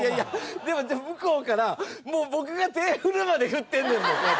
でも向こうからもう僕が手振るまで振ってんねんもんこうやって。